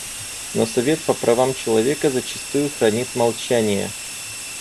Но Совет по правам человека зачастую хранит молчание.